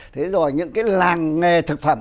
thế rồi những cái làng nghề thực phẩm